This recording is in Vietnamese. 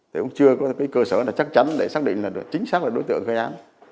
thì cũng chưa có cái cơ sở là chắc chắn để xác định là chính xác là đối tượng gây án